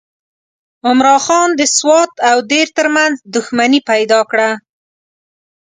عمرا خان د سوات او دیر ترمنځ دښمني پیدا کړه.